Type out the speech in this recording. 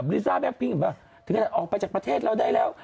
ลิซ่าแปลว่าถึงออกไปจากประเทศเราได้แล้ว